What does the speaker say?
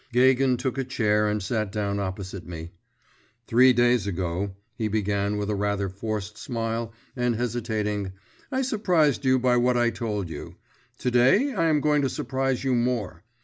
Gagin took a chair and sat down opposite me. 'Three days ago,' he began with a rather forced smile, and hesitating, 'I surprised you by what I told you; to day I am going to surprise you more.